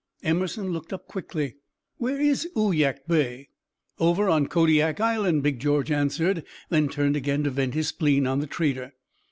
Emerson looked up quickly, "Where is Uyak Bay?" "Over on Kodiak Island," Big George answered; then turned again to vent his spleen on the trader.